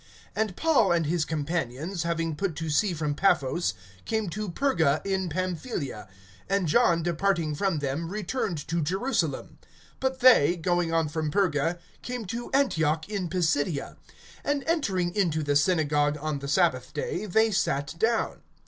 (13)And Paul and his companions, having put to sea from Paphos, came to Perga in Pamphylia; and John departing from them returned to Jerusalem. (14)But they, going on from Perga, came to Antioch in Pisidia; and entering into the synagogue on the sabbath day, they sat down.